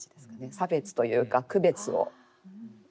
差別というか区別を。